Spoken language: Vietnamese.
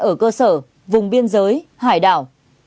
ở cơ sở vùng biên giới hải đảo